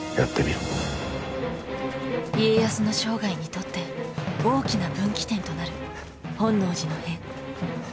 家康の生涯にとって大きな分岐点となる本能寺の変。